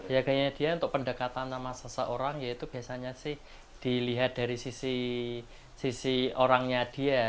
ya kayaknya dia untuk pendekatan sama seseorang ya itu biasanya sih dilihat dari sisi orangnya dia